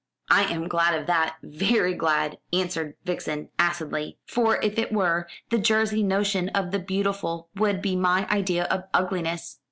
"I am glad of that, very glad," answered Vixen acidly; "for if it were, the Jersey notion of the beautiful would be my idea of ugliness.